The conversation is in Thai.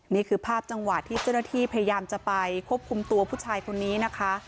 นี่คือภาพจังหวะที่เจ้าหน้าที่พยายามจะไปควบคุมตัวผู้ชายคนนี้นะคะ